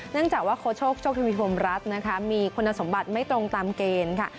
เนื่องจากว่าโค้ชโชคโชคทวีพรมรัฐนะคะมีคุณสมบัติไม่ตรงตามเกณฑ์ค่ะ